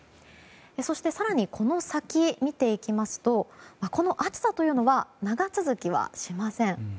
そして更にこの先見ていきますとこの暑さというのは長続きはしません。